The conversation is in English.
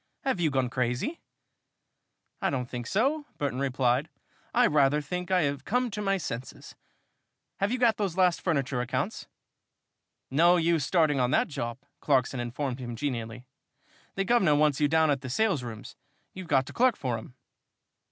Have you gone crazy?" "I don't think so," Burton replied. "I rather think I have come to my senses. Have you got those last furniture accounts?" "No use starting on that job," Clarkson informed him, genially. "The guvnor wants you down at the salesrooms, you've got to clerk for him."